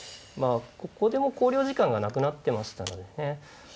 まあここでもう考慮時間がなくなってましたのでね。